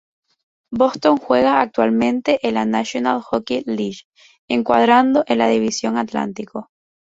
Boston juega actualmente en la National Hockey League, encuadrado en la División Atlántico.